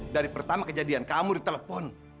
dari pertama kejadian kamu di telepon